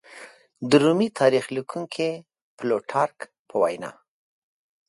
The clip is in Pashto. د رومي تاریخ لیکونکي پلوټارک په وینا